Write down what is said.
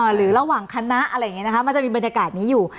หรือระหว่างคณะอะไรอย่างนี้นะคะมันจะมีบรรยากาศนี้อยู่